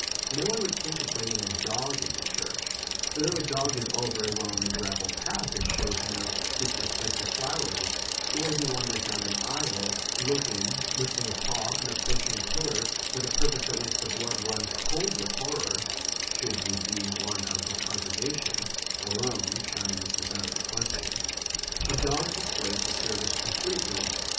No one would think of bringing a dog into church. For though a dog is all very well on a gravel path, and shows no disrespect to flowers, the way he wanders down an aisle, looking, lifting a paw, and approaching a pillar with a purpose that makes the blood run cold with horror (should you be one of a congregation alone, shyness is out of the question), a dog destroys the service completely.